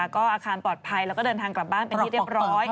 ก็อาคารปลอดภัยแล้วก็เดินทางกลับบ้านเป็นที่เรียบร้อย